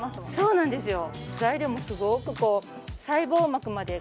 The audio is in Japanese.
そうなんですよ